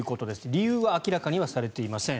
理由は明らかにはされていません。